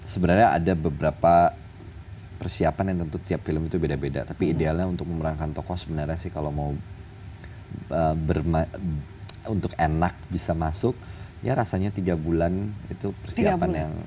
sebenarnya ada beberapa persiapan yang tentu tiap film itu beda beda tapi idealnya untuk memerankan tokoh sebenarnya sih kalau mau untuk enak bisa masuk ya rasanya tiga bulan itu persiapan yang